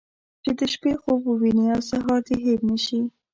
چې د شپې خوب ووينې او سهار دې هېر نه شي.